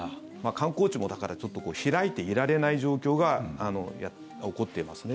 観光地も開いていられない状況が起こっていますね。